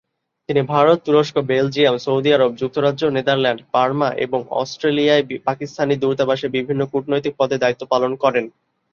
তিনি ভারত, তুরস্ক, বেলজিয়াম, সৌদি আরব, যুক্তরাজ্য, নেদারল্যান্ড, বার্মা এবং অস্ট্রেলিয়ায় পাকিস্তানি দূতাবাসে বিভিন্ন কূটনৈতিক পদে দায়িত্ব পালন করেন।